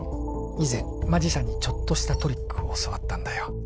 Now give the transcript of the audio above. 以前マジシャンにちょっとしたトリックを教わったんだよ